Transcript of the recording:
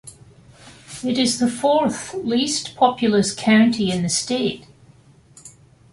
It is the fourth least populous county in the state.